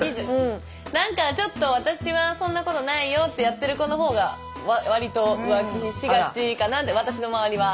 何かちょっと私はそんなことないよってやってる子の方が割と浮気しがちかなって私の周りは。